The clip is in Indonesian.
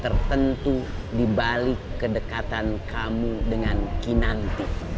tertentu dibalik kedekatan kamu dengan kinanti